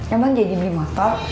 ya bang jadi beli motor